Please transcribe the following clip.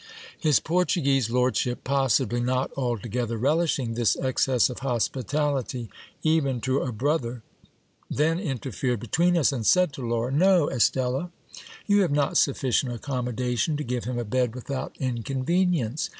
His Portuguese lordship, possibly not altogether relishing this excess of hos pitality even to a brother, then interfered between us, and said to Laura — Xo, Estella, you have not sufficient accommodation to give him a bed without incon venience.